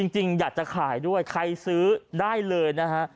จริงอยากจะขายด้วยใครซื้อได้เลยนะฮะ